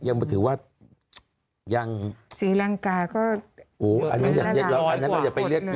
ยังอันนั้นเราอย่าไปเรียก